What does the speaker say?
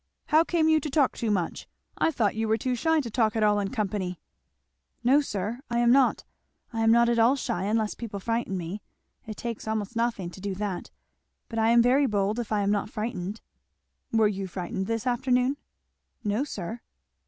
How came you to talk too much? I thought you were too shy to talk at all in company." "No sir, I am not; I am not at all shy unless people frighten me. It takes almost nothing to do that; but I am very bold if I am not frightened." "Were you frightened this afternoon?" "No sir."